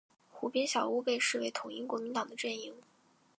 湖边小屋被视为统一国民党的阵营。